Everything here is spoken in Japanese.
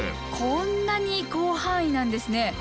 こんなに広範囲なんですね。